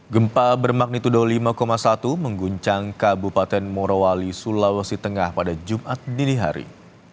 gempa bermagnitudo lima satu mengguncang kabupaten morowali sulawesi tengah pada jumat dini hari